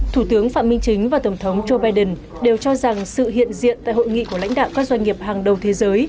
thủ tướng phạm minh chính và tổng thống joe biden đều cho rằng sự hiện diện tại hội nghị của lãnh đạo các doanh nghiệp hàng đầu thế giới